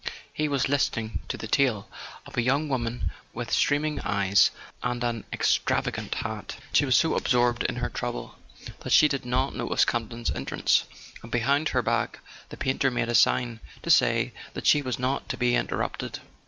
He was listening to the tale of a young woman with streaming eyes and an ex¬ travagant hat. She was so absorbed in her trouble that she did not notice Campton's entrance, and behind her back the painter made a sign to say that she was not to be interrupted.